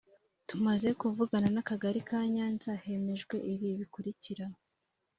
tumaze kuvugana n akagali ka nyanza hemejwe ibi bikurikira